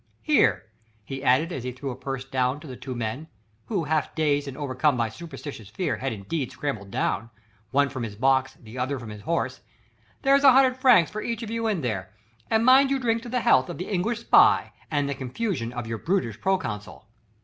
Here," he added as he threw a purse down to the two men who half dazed and overcome by superstitious fear had indeed scrambled down, one from his box, the other from his horse "there's a hundred francs for each of you in there, and mind you drink to the health of the English spy and the confusion of your brutish proconsul."